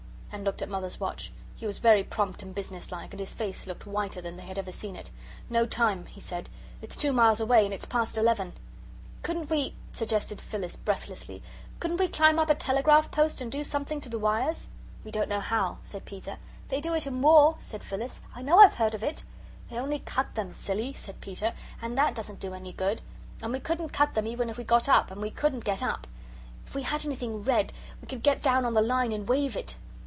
and looked at Mother's watch. He was very prompt and businesslike, and his face looked whiter than they had ever seen it. "No time," he said; "it's two miles away, and it's past eleven." "Couldn't we," suggested Phyllis, breathlessly, "couldn't we climb up a telegraph post and do something to the wires?" "We don't know how," said Peter. "They do it in war," said Phyllis; "I know I've heard of it." "They only CUT them, silly," said Peter, "and that doesn't do any good. And we couldn't cut them even if we got up, and we couldn't get up. If we had anything red, we could get down on the line and wave it."